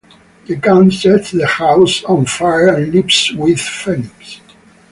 The gang sets the house on fire and leaves with Phoenix.